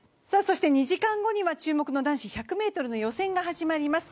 そして２時間後には注目の男子１００ｍの予選が始まります。